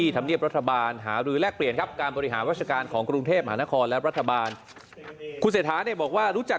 แต่ว่าผมว่ากลักษณ์เศรษฐาน่าจะ๑๙๒ใช่ไหม